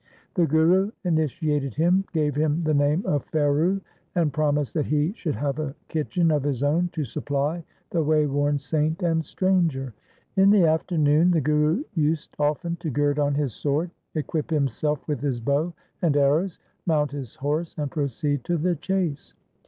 The Guru initiated him, gave him the name of Pheru, and promised that he should have a kitchen of his own to supply the wayworn saint and stranger. In the afternoon the Guru used often to gird on his LIFE OF GURU HAR RAI 277 sword, equip himself with his bow and arrows, mount his horse, and proceed to the chase.